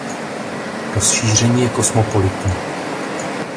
Rozšíření je kosmopolitní.